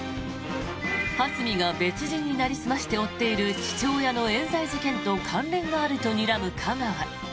蓮見が別人になりすまして追っている父親のえん罪事件と関連があるとにらむ架川。